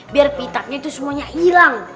biar pitaknya itu semuanya hilang